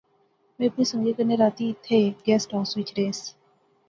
میں اپنے سنگئیں کنے راتی اتھیں ہیک گیسٹ ہائوس وچ رہیس